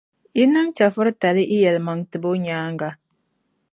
Yi niŋ chεfuritali yi yɛlimaŋtibo nyaaŋa,